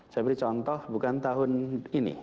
saya beri contoh bukan tahun ini